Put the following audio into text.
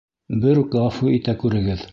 Берүк ғәфү итә күрегеҙ.